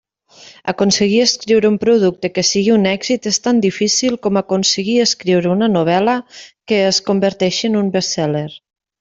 Aconseguir escriure un producte que sigui un èxit és tan difícil com aconseguir escriure una novel·la que es converteixi en un best-seller.